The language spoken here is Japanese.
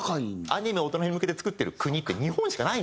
アニメを大人に向けて作ってる国って日本しかないんですよ。